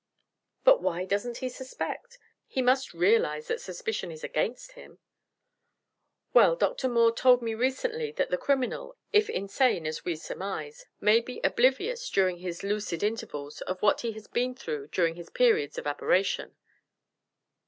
"But why doesn't he suspect? He must realize that suspicion is against him." "Well, Dr. Moore told me recently that the criminal, if insane as we surmise, may be oblivious during his lucid intervals of what he has been through during his periods of aberration."